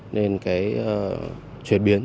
nên chuyển biến